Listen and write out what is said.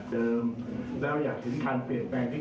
ตรงนี้เราจะเผื่อภาคใหม่